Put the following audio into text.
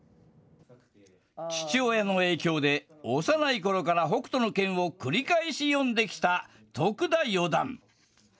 父親の影響で、幼いころから北斗の拳を繰り返し読んできた徳田四段。